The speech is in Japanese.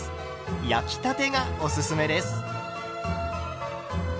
焼きたてがおすすめです。